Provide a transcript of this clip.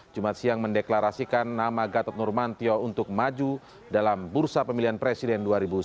jumat siang mendeklarasikan nama gatot nurmantio untuk maju dalam bursa pemilihan presiden dua ribu sembilan belas